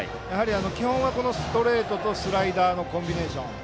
基本はストレートとスライダーのコンビネーション。